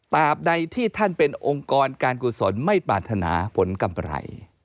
บใดที่ท่านเป็นองค์กรการกุศลไม่ปรารถนาผลกำไร